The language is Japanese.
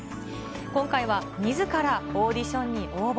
今回はみずからオーディションに応募。